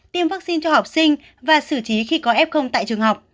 tiêm vắc xin cho học sinh và xử trí khi có f tại trường học